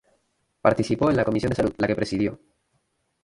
Participó en la Comisión de Salud, la que presidió.